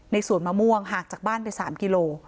ในส่วนมะม่วงหากจากบ้านไปสามกิโล